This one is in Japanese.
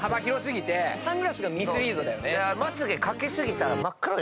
サングラスがミスリード。